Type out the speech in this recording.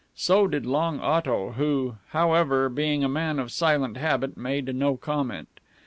So did Long Otto, who, however, being a man of silent habit, made no comment.